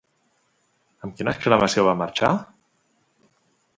Amb quina exclamació va marxar?